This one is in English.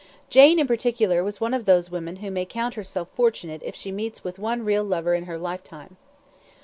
Jane in particular was one of those women who may count herself fortunate if she meets with one real lover in her lifetime.